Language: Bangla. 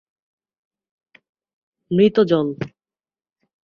মৃত জল।